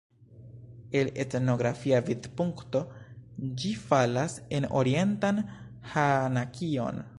El etnografia vidpunkto ĝi falas en orientan Hanakion.